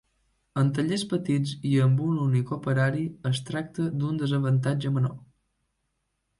En tallers petits i amb un únic operari es tracta d'un desavantatge menor.